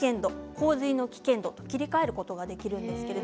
洪水の危険と切り替えることができるんです。